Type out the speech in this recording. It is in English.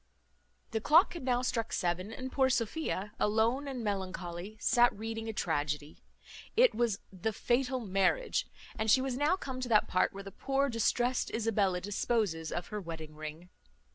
The clock had now struck seven, and poor Sophia, alone and melancholy, sat reading a tragedy. It was the Fatal Marriage; and she was now come to that part where the poor distrest Isabella disposes of her wedding ring.